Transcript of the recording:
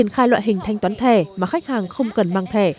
khai loại hình thanh toán thẻ mà khách hàng không cần mang thẻ